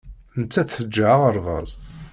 Nettat teǧǧa aɣerbaz.